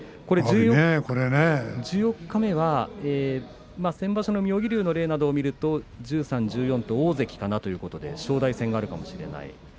十四日目は先場所の妙義龍などの例を見ますと十三、十四と大関かなということで正代戦があるかもしれません。